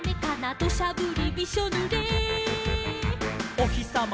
「おひさま